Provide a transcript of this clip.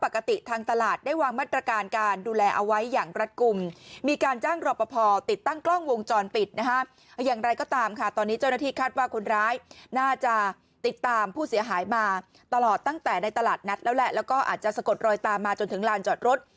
กำลังทำผู้เสียหายมาตลอดตั้งแต่ในตลาดนัดแล้วแหละแล้วก็อาจจะสะกดรอยตามมาจนถึงลานจอดรถ